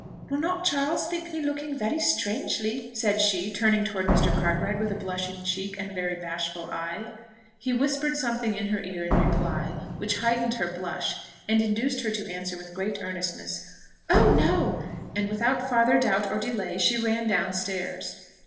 "Will not Charles think me looking very strangely?" said she, turning towards Mr. Cartwright with a blushing cheek and very bashful eye. He whispered something in her ear in reply, which heightened her blush, and induced her to answer with great earnestness, "Oh no!" and, without farther doubt or delay, she ran down stairs.